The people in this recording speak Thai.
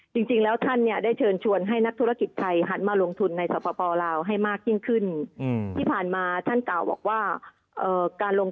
จริงแล้วเฉินชวนให้นักธุรกิจไทยหันมากิจตรงมุมทุนมากขึ้น